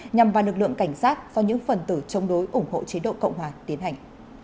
nhằm vào lực lượng cảnh sát do những phần tử chống đối ủng hộ chế độ cộng hòa tiến hành